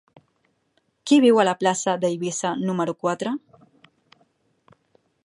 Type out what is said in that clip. Qui viu a la plaça d'Eivissa número quatre?